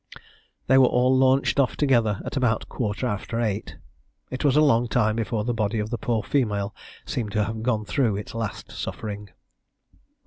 They were all launched off together, at about a quarter after eight. It was a long time before the body of the poor female seemed to have gone through its last suffering.